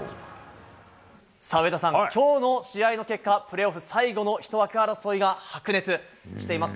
上田さん、きょうの試合の結果、プレーオフ最後の１枠争いが、白熱しています。